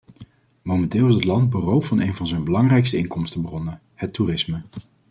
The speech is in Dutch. Momenteel is het land beroofd van een van zijn belangrijkste inkomstenbronnen: het toerisme.